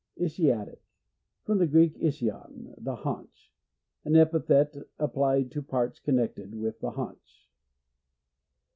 Ischiatic. — From the Greek, ischion, the haunch. An epithet applied to parte connected with the haunch.